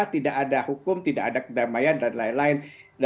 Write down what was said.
tidak ada hukum tidak ada kedamaian dan lain lain